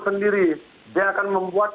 sendiri dia akan membuat